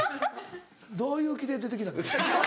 どういう気で出てきた？